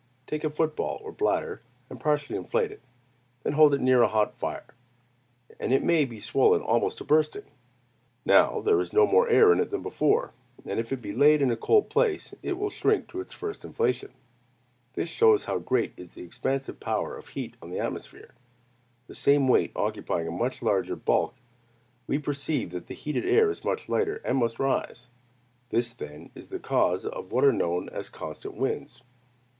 Take a foot ball or bladder and partially inflate it; then hold it near a hot fire, and it may be swollen almost to bursting. Now, there is no more air in it than before; and if it be laid in a cold place, it will shrink to its first inflation. This shows how great is the expansive power of heat on the atmosphere. The same weight occupying a much larger bulk, we perceive that heated air is much lighter, and must rise. This, then, is the cause of what are known as constant winds.